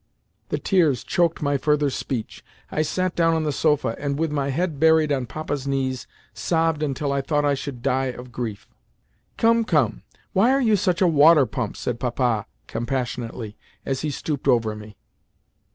The tears choked my further speech. I sat down on the sofa, and, with my head buried on Papa's knees, sobbed until I thought I should die of grief. "Come, come! Why are you such a water pump?" said Papa compassionately, as he stooped over me.